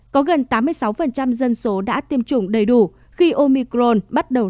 có gần tám mươi sáu dân số đã tiêm chủng đầy đủ khi omicron bắt đầu